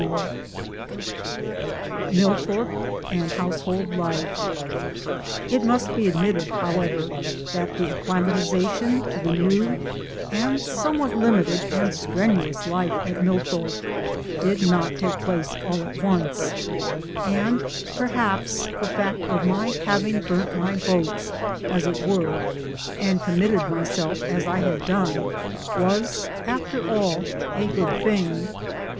IX MILLTHORPE AND HOUSEHOLD LIFE IT must be admitted, however, that the acclimatiza tion to the new and somewhat limited and strenuous life at Millthorpe did not take place all at once ; and perhaps the fact of my having burnt my boats, as it were, and committed myself as I had done, was after all a good thing.